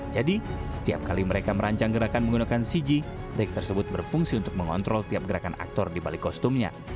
jadi setiap kali mereka merancang gerakan menggunakan cg rig tersebut berfungsi untuk mengontrol tiap gerakan aktor dibalik kostumnya